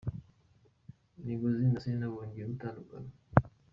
Migozi na Selena bongeye gutandukana